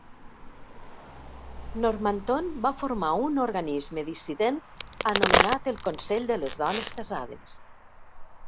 Normanton va formar un organisme dissident anomenat el Consell de les dones casades.